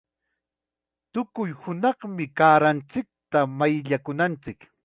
Tukuy hunaqmi kaaranchikta mayllakunanchik.